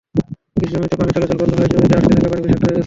কৃষিজমিতে পানি চলাচল বন্ধ হওয়ায় জমিতে আটকে থাকা পানি বিষাক্ত হয়ে গেছে।